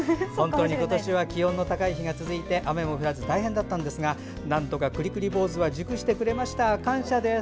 今年は気温の高い日が続いて雨も降らず大変だったんですがなんとか、くりくり坊主は熟してくれました。感謝です。